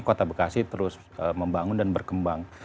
kota bekasi terus membangun dan berkembang